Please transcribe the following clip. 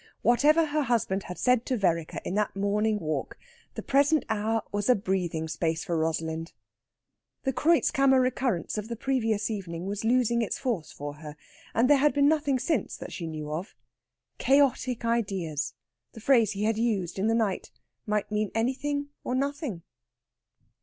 Whatever her husband had said to Vereker in that morning walk, the present hour was a breathing space for Rosalind. The Kreutzkammer recurrence of the previous evening was losing its force for her, and there had been nothing since that she knew of. "Chaotic ideas" the phrase he had used in the night might mean anything or nothing.